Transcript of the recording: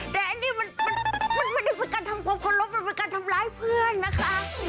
แต่อันนี้มันไม่ได้เป็นการทำความเคารพมันเป็นการทำร้ายเพื่อนนะคะ